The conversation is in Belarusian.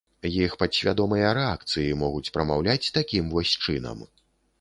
Іх падсвядомыя рэакцыі могуць прамаўляць такім вось чынам.